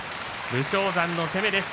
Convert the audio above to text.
武将山の攻めです。